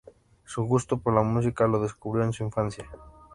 Su gusto por la música lo descubrió en su infancia.